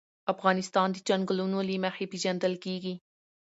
افغانستان د چنګلونه له مخې پېژندل کېږي.